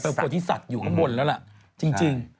เป็นพระโปรติศัตริย์อยู่ข้างบนแล้วล่ะจริง